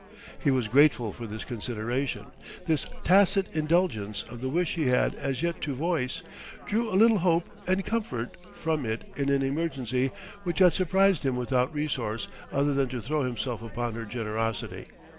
He was grateful for this consideration, this tacit indulgence of the wish he had as yet to voice; drew a little hope and comfort from it in an emergency which had surprised him without resource other than to throw himself upon her generosity.